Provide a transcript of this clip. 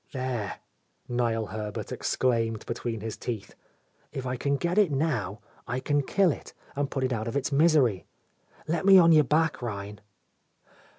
"There," Niel Herbert exclaimed between his teeth, "if I can get it now, I can kill it and put it out of its misery. Let me on your back, Rhein."